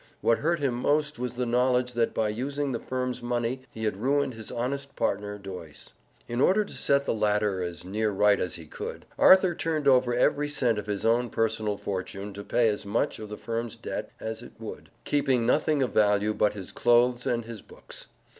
What hurt him most was the knowledge that by using the firm's money he had ruined his honest partner, Doyce. In order to set the latter as near right as he could, Arthur turned over every cent of his own personal fortune to pay as much of the firm's debt as it would, keeping nothing of value but his clothes and his books.